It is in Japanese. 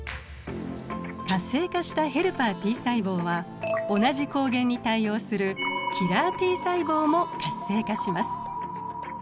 活性化したヘルパーＴ細胞は同じ抗原に対応するキラーＴ細胞も活性化します。